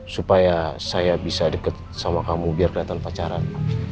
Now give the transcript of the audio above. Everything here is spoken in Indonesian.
supaya saya bisa deket sama kamu biar keliatan pacaran